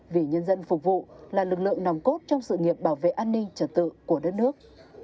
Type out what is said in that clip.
vì nhân dân phục vụ là lực lượng nòng cốt trong sự nghiệp bảo vệ an ninh trật tự của đất nước